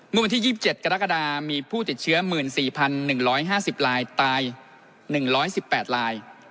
เมื่อวันที่๒๗กรกฎามีผู้ติดเชื้อ๑๔๑๕๐ลายตาย๑๑๘ลาย